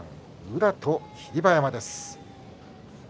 宇良と霧馬山です。